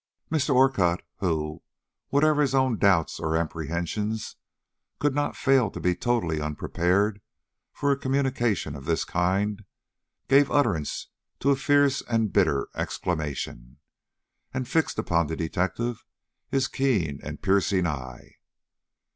Mr. Orcutt who, whatever his own doubts or apprehensions, could not fail to be totally unprepared for a communication of this kind, gave utterance to a fierce and bitter exclamation, and fixed upon the detective his keen and piercing eye.